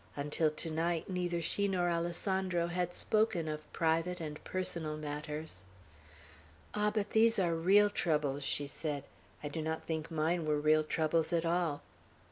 Until to night, neither she nor Alessandro had spoken of private and personal matters. "Ah, but these are real troubles," she said. "I do not think mine were real troubles at all.